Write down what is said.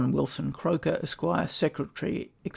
Wilson Croker, Esq., Secretary, &c.